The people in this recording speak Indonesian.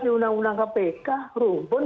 di undang undang kpk rumpun